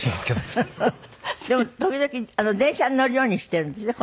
でも時々電車に乗るようにしてるんですって？